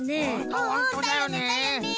うんうんだよねだよね。